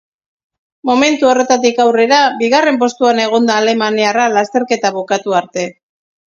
Momentu horretatik aurrera bigarren postuan egon da alemaniarra lasterketa bukatu arte.